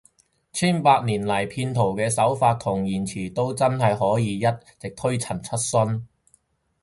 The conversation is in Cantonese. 千百年來，騙徒嘅手法同言辭都真係可以一直推陳出新